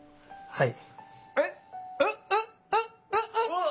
はい。